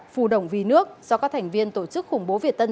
phù đồng vì nước do các thành viên tổ chức khủng bố việt tân